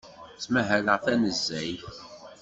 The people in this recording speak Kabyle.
Ttmahaleɣ tanezzayt.